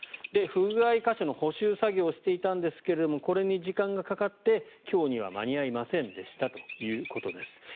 不具合箇所の補修作業をしていたんですがこれに時間がかかって今日には間に合いませんでしたということです。